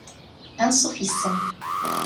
Ansuf yes-m.